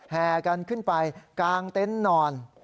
แห่กันขึ้นไปกลางเต็นต์นอน